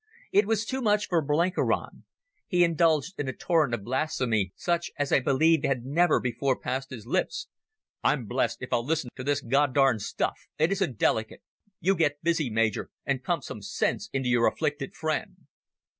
It was too much for Blenkiron. He indulged in a torrent of blasphemy such as I believe had never before passed his lips. "I'm blessed if I'll listen to this God darned stuff. It isn't delicate. You get busy, Major, and pump some sense into your afflicted friend."